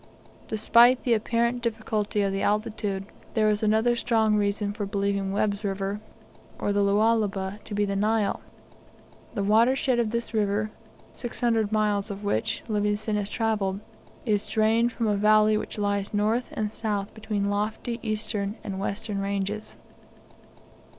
Despite the apparent difficulty of the altitude, there is another strong reason for believing Webb's River, or the Lualaba, to be the Nile. The watershed of this river, 600 miles of which Livingstone has travelled, is drained from a valley which lies north and south between lofty eastern and western ranges.